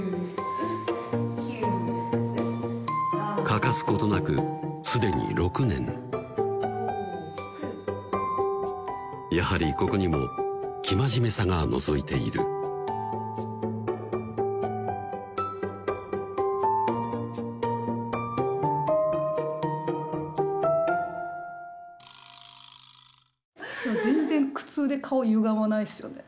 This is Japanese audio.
欠かすことなく既に６年やはりここにも生真面目さがのぞいている全然苦痛で顔ゆがまないっすよね